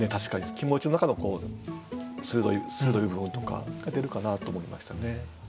気持ちの中の鋭い部分とかが出るかなと思いましたね。